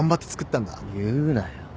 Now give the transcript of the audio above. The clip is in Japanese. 言うなよ。